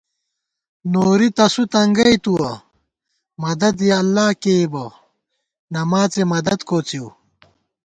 نوری تسُو تنگَئ تُوَہ، مدد یَہ اللہ کېئیبہ، نماڅےمدد کوڅِئیؤ